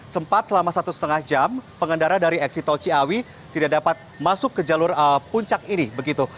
sempat selama satu setengah jam pengendara dari eksit tol ciawi tidak dapat masuk ke jalur puncak ini begitu